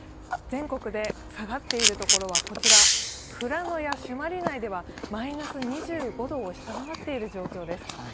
全国で下がっている所はこちら、富良野や朱鞠内ではマイナス２５度を下回っている状況です。